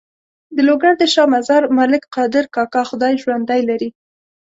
د لوګر د شا مزار ملک قادر کاکا خدای ژوندی لري.